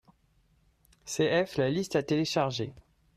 cf. la liste à télécharger.